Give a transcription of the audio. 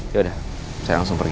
ya udah saya langsung pergi